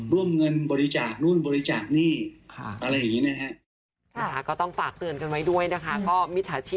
ร่วมเงินบริจาคนู่นบริจาคหนี้